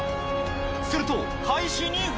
すると、開始２分。